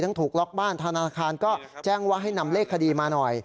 ถูกล็อกบ้านธนาคารก็แจ้งว่าให้นำเลขคดีมาหน่อย